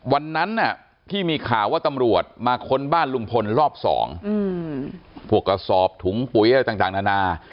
วันนั้นที่มีข่าวว่าตำรวจมาค้นบ้านลุงพลรอบ๒พวกกระสอบถุงปุ๋ยอะไรต่างนานา